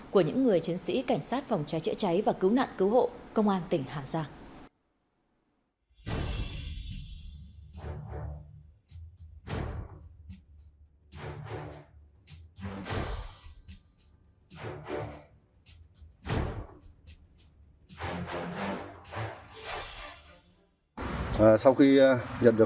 của những người chiến sĩ cảnh sát phòng trái chữa cháy và cứu nạn cứu hộ công an tỉnh hà giang